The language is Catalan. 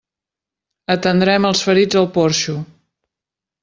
Atendrem els ferits al porxo.